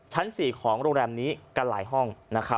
ชั้น๔ของโรงแรมนี้กันหลายห้อง